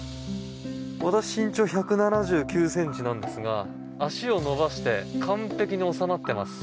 私、身長１７９ｃｍなんですが足を伸ばして完璧に収まっています。